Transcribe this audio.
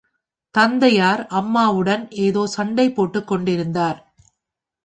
தந்தையார் அம்மாவுடன் ஏதோ சண்டை போட்டுக் கொண்டிருந்தார்.